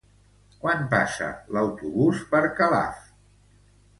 Quan passa l'autobús per Calaf?